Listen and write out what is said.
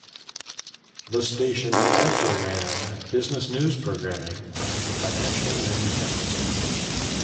The station also ran business news programming from the Financial News Network.